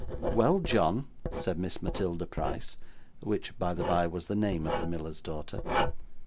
'Well, John,' said Miss Matilda Price (which, by the bye, was the name of the miller's daughter).